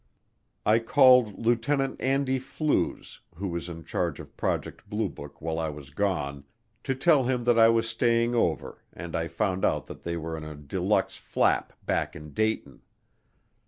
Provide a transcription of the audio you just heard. I called Lieutenant Andy Flues, who was in charge of Project Blue Book while I was gone, to tell him that I was staying over and I found out that they were in a de luxe flap back in Dayton.